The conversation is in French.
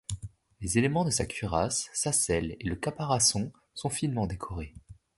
Les éléments de sa cuirasse, sa selle et le caparaçon sont finement décorés.